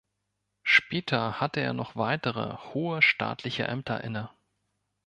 Später hatte er noch weitere hohe staatliche Ämter inne.